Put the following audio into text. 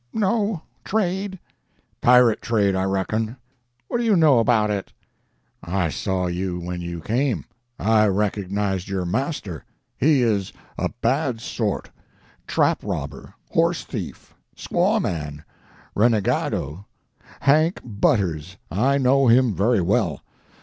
"No. Trade." "Pirate trade, I reckon." "What do you know about it?" "I saw you when you came. I recognized your master. He is a bad sort. Trap robber, horse thief, squaw man, renegado—Hank Butters—I know him very well.